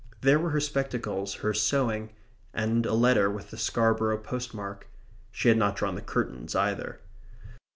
There were her spectacles, her sewing; and a letter with the Scarborough postmark. She had not drawn the curtains either.